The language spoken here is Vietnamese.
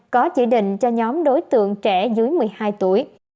có chỉ định cho nhóm đối tượng trẻ dưới một mươi hai tuổi